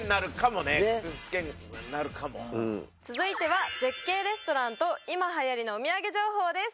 続いては絶景レストランと今はやりのお土産情報です